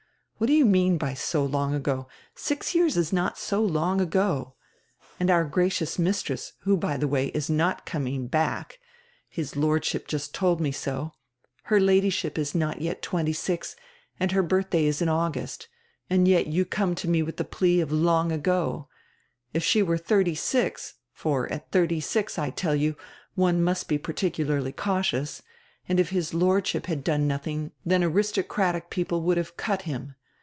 What do you mean by long ago? Six years is not long ago. And our gracious mistress, who, by die way, is not coming back — his Lordship just told me so — her Ladyship is not yet twenty six and her birdiday is in August, and yet you come to me widi die plea of 'long ago.' If she were diirty six, for at thirty six, I tell you, one must be particularly cau tious, and if his Lordship had done nothing, then aristo cratic people would have 'cut' him.